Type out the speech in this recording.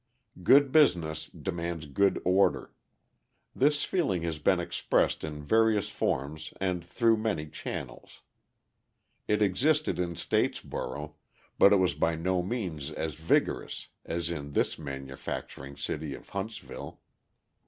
Good business demands good order. This feeling has been expressed in various forms and through many channels. It existed in Statesboro, but it was by no means as vigorous as in this manufacturing city of Huntsville.